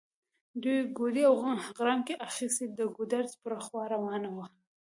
دې ګوډی او غړانګۍ اخيستي، د ګودر پر خوا روانه وه